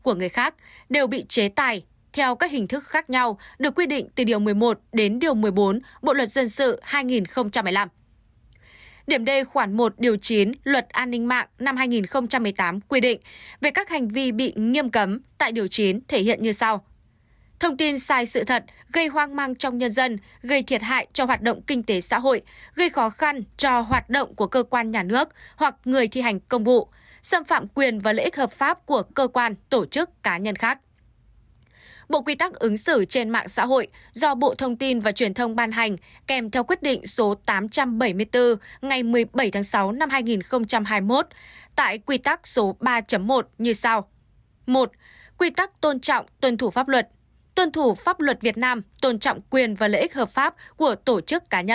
ảnh hưởng đến quyền và lợi ích hợp pháp của các tổ chức cá nhân khác